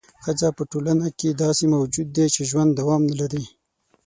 ښځه په ټولنه کې داسې موجود دی چې ژوند دوام نه لري.